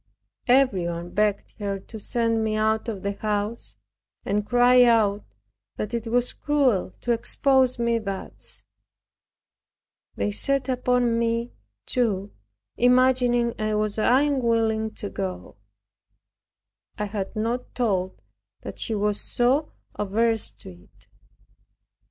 Everyone begged her to send me out of the house, and cried out that it was cruel to expose me thus. They set upon me, too, imagining I was unwilling to go. I had not told that she was so averse to it.